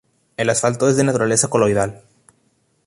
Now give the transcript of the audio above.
El asfalto es de naturaleza coloidal.